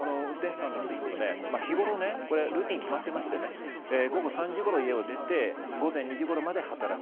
この運転手さんなんですけど、日頃ルーティンが決まっていまして、午後３時頃、家を出て、午前２時頃まで働く。